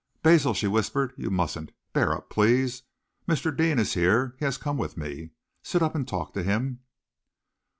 "Basil," she whispered, "you mustn't! Bear up, please. Mr. Deane is here. He has come with me. Sit up and talk to him."